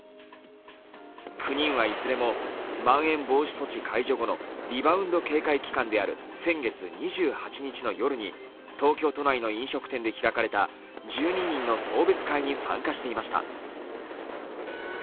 ９人はいずれもまん延防止措置解除後のリバウンド警戒期間である先月２８日の夜に東京都内の飲食店で開かれた１２人の送別会に参加していました。